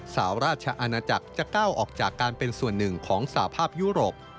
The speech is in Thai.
สาวราชอาณาจักรจะก้าวออกจากการเป็นส่วนหนึ่งของสภาพยุโรป